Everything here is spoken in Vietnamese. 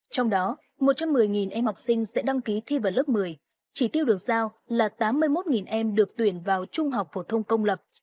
trong đó một trăm một mươi em học sinh sẽ đăng ký thi vào lớp một mươi chỉ tiêu được giao là tám mươi một em được tuyển vào trung học phổ thông công lập